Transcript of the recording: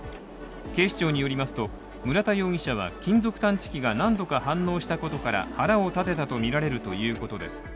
警視庁によりますと村田容疑者は金属探知機が何度か反応したことから腹を立てたとみられるということです。